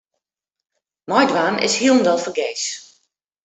Meidwaan is hielendal fergees.